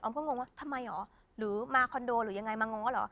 ก็งงว่าทำไมเหรอหรือมาคอนโดหรือยังไงมาง้อเหรอ